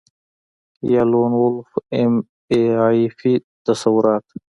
یا لون وولف ایم آی پي تصورات